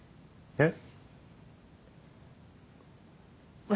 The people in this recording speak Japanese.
えっ？